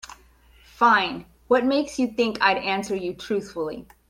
Fine, what makes you think I'd answer you truthfully?